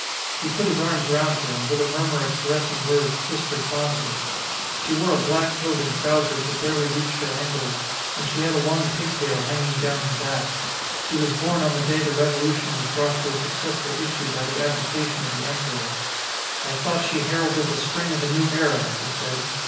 He put his arms round her and with a murmur of caressing words kissed her fondly. She wore a black coat and trousers that barely reached her ankles, and she had a long pig tail hanging down her back. She was born on the day the revolu tion was brought to a successful issue by the abdi cation of the emperor. "I thought she heralded the Spring of a new era," he said.